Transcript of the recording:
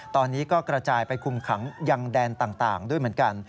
ตอนนี้ก็กระจายไปคุมขังยังแดนต่างด้วยเหมือนกัน